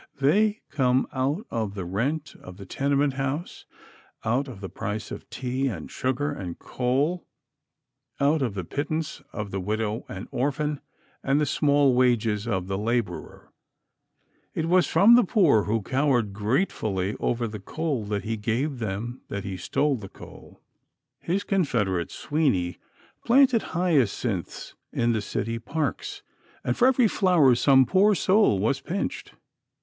They come out of the rent of the tenement house; out of the price of tea and sugar and coal; out of the pittance of the widow and orphan, and the small wages of the laborer. It was from the poor who cowered gratefully over the coal that he gave them that he stole the coal. His confederate, Sweeny, planted hyacinths in the city parks, and for every flower some poor soul was pinched.